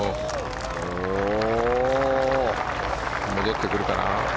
戻ってくるかな。